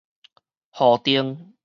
戶橂